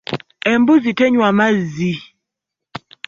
Embuzi tenywa mazzi.